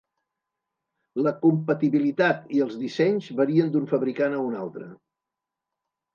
La compatibilitat i els dissenys varien d'un fabricant a un altre.